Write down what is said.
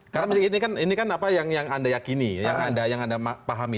karena ini kan apa yang anda yakini yang anda pahami